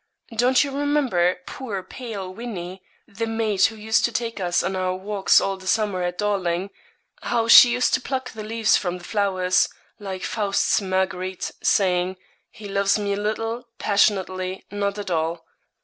Don't you remember poor, pale Winnie, the maid who used to take us on our walks all the summer at Dawling; how she used to pluck the leaves from the flowers, like Faust's Marguerite, saying, "He loves me a little passionately, not at all."